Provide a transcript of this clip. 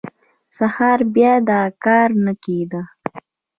سهار بیا دا کار نه کېده.